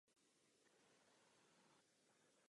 Bloky lze později rozdělit.